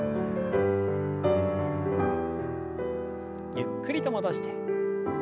ゆっくりと戻して。